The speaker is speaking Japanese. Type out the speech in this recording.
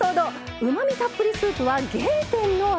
「うまみたっぷりスープは原点の味！？」。